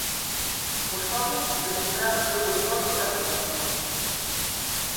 O Soviet demostrara o seu control sobre a poboación.